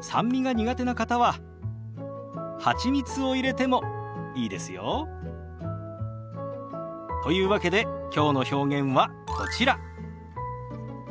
酸味が苦手な方ははちみつを入れてもいいですよ。というわけできょうの表現はこちら。